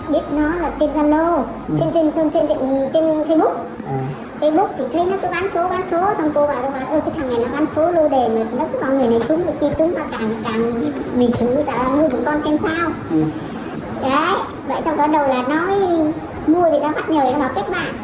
biết nó là trên dân lô trên facebook